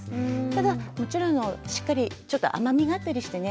ただもちろんしっかりちょっと甘みがあったりしてね